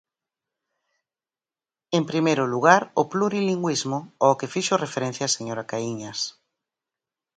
En primeiro lugar, o plurilingüismo, ao que fixo referencia a señora Caíñas.